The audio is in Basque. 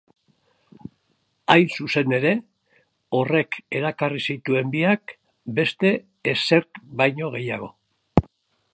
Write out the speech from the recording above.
Hain zuzen ere, horrek erakarri zituen biak beste ezerk baino gehiago.